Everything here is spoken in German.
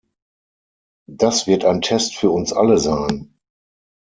Das wird ein Test für uns alle sein.